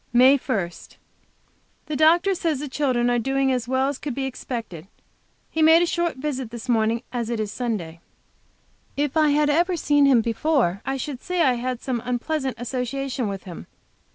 MAY 1. The doctor says the children are doing as well as, could be expected. He made a short visit this morning, as it is Sunday. If I had ever seen him before I should say I had some unpleasant association with him.